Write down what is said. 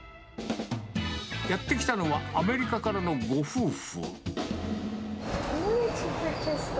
やって来たのは、アメリカからのご夫婦。